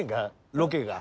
ロケが。